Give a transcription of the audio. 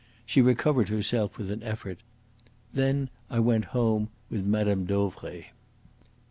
She recovered herself with an effort. "Then I went home with Mme. Dauvray."